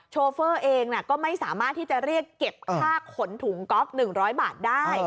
โชเฟอร์เองก็ไม่สามารถที่จะเรียกเก็บค่าขนถุงก๊อฟ๑๐๐บาทได้